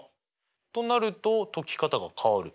となると解き方が変わる？